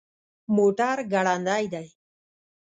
موټر ګړندی دی